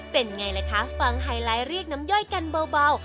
เป็นไงล่ะคะฟังไฮไลท์เรียกน้ำย่อยกันเบา